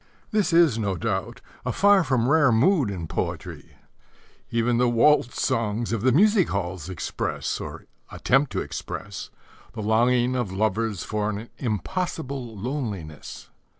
This is, no doubt, a far from rare mood in poetry. Even the waltz songs of the music halls express, or attempt to express, the longing of lovers for an impossible loneliness.